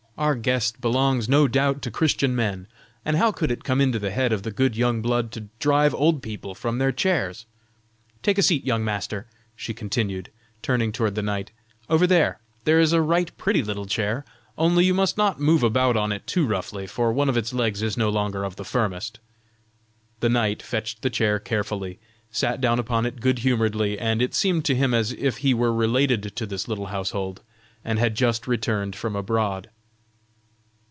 Our guest belongs no doubt to Christian men, and how could it come into the head of the good young blood to drive old people from their chairs? Take a seat, my young master," she continued, turning toward the knight; "over there, there is a right pretty little chair, only you must not move about on it too roughly, for one of its legs is no longer of the firmest." The knight fetched the chair carefully, sat down upon it good humoredly, and it seemed to him as if he were related to this little household, and had just returned from abroad.